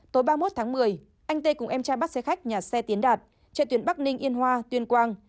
tối ba mươi một tháng một mươi anh tê cùng em trai bắt xe khách nhà xe tiến đạt chạy tuyến bắc ninh yên hoa tuyên quang